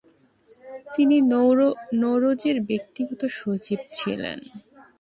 তিনি নৌরোজির ব্যক্তিগত সচিব ছিলেন।